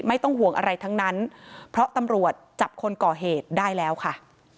ไม่ต้องห่วงอะไรทั้งนั้นเพราะตำรวจจับคนก่อเหตุได้แล้วค่ะ